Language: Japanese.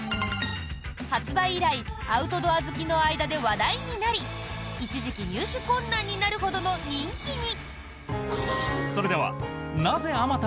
発売以来アウトドア好きの間で話題になり一時期、入手困難になるほどの人気に。